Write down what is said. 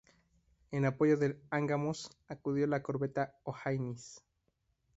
En apoyo del "Angamos" acudió la corbeta O'Higgins.